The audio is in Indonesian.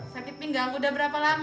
sakit pinggang udah berapa lama